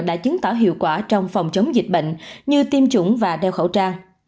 đã chứng tỏ hiệu quả trong phòng chống dịch bệnh như tiêm chủng và đeo khẩu trang